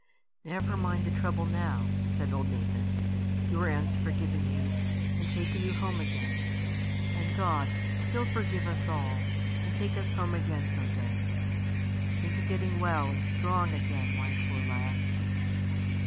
"Never mind the trouble now, Rhoda," said old Nathan. "Your aunt's forgiven you, and taken you home again; and God, He'll forgive us all, and take us home again some day. Think o' getting well and strong again, my poor lass."